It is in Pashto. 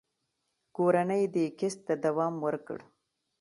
کورنۍ دې کسب ته دوام ورکړ.